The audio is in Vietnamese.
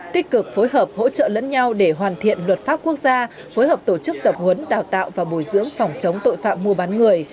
tích cực phối hợp hỗ trợ lẫn nhau để hoàn thiện luật pháp quốc gia phối hợp tổ chức tập huấn đào tạo và bồi dưỡng phòng chống tội phạm mua bán người